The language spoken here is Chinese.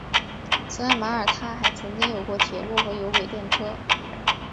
此外马尔他还曾经有过铁路和有轨电车。